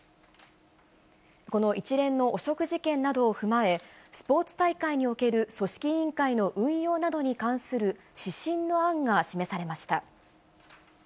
この一連の汚職事件などを踏まえ、スポーツ大会における組織委員会の運用などに関する指針の案が示されました。